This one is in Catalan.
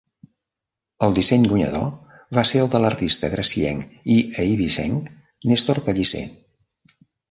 El disseny guanyador va ser el de l'artista gracienc i eivissenc Néstor Pellicer.